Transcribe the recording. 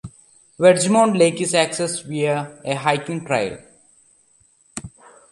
Wedgemount Lake is accessed via a hiking trail.